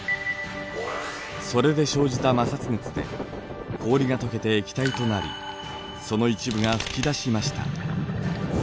それで生じた摩擦熱で氷がとけて液体となりその一部が吹き出しました。